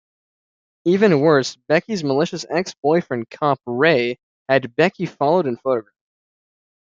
Even worse, Becky's malicious ex-boyfriend cop Ray had Becky followed and photographed.